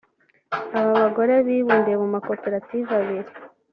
Aba bagore bibumbiye mu makoperative abiri